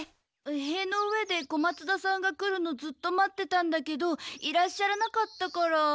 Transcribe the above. へいの上で小松田さんが来るのずっと待ってたんだけどいらっしゃらなかったから。